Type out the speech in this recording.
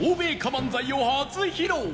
漫才を初披露